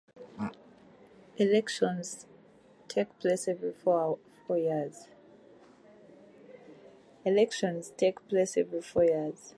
Elections take place every four years.